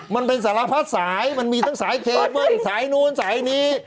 มันเป็นศาลพัฒน์สายมันมีทั้งสายเคภสายนู้นสายนี้